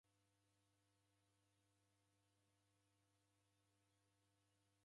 Kupata kazi agha matuku ni kumanyana.